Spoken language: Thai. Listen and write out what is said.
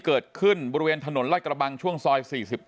เกิดขึ้นบริเวณถนนไล่กระบังช่วงซอย๔๗